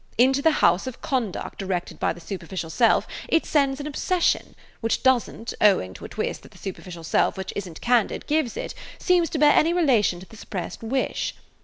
Into the house of conduct erected by the superficial self it sends an obsession, which does n't, owing to a twist that the superficial self, which is n't candid, gives it, seem to bear any relation to the suppressed wish.